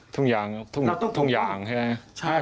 ถุงยางใช่ไหม